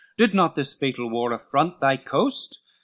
Did not this fatal war affront thy coast?